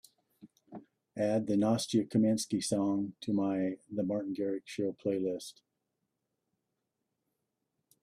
Add the Nastya Kamenskih song to my The Martin Garrix Show playlist.